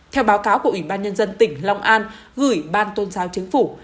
theo báo cáo của ủy ban nhân dân tỉnh long an gửi ban tôn giáo chính phủ